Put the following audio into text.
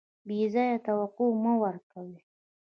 بې ځایه توقع مه ورکوئ.